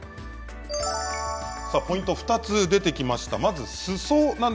ポイントは２つ出てきました。